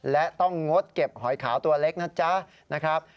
และต้องงดเก็บหอยขาวตัวเล็กนะจ๊ะนะครับ